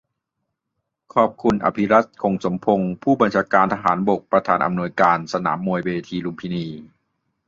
ขอบคุณ อภิรัชต์ คงสมพงษ์ ผู้บัญชาการทหารบก ประธานอำนวยการสนามมวยเวทีลุมพินี